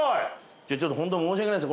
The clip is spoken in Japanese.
じゃあちょっとホントに申し訳ないです。